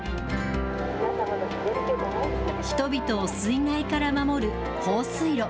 人々を水害から守る放水路。